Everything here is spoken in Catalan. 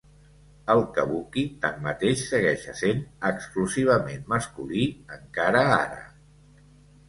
El kabuki, tanmateix, segueix essent exclusivament masculí encara ara.